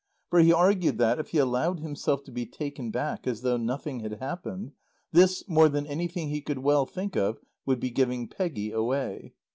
For he argued that, if he allowed himself to be taken back as though nothing had happened, this, more than anything he could well think of, would be giving Peggy away.